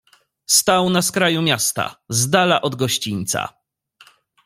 "Stał na skraju miasta, zdala od gościńca."